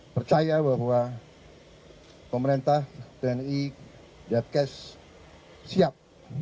percaya bahwa pemerintah tni depkes siap